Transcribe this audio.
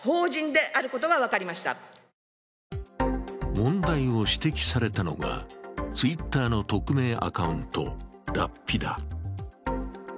問題を指摘されたのが、Ｔｗｉｔｔｅｒの匿名アカウント、Ｄａｐｐｉだ。